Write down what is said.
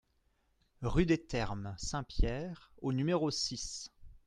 Rue des Thermes Saint-Pierre au numéro six